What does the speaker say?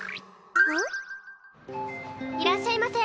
いらっしゃいませ！